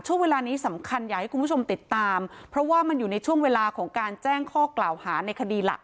ช่วงเวลานี้สำคัญอยากให้คุณผู้ชมติดตามเพราะว่ามันอยู่ในช่วงเวลาของการแจ้งข้อกล่าวหาในคดีหลัก